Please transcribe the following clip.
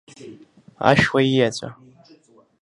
Ашәуа иеҵәа.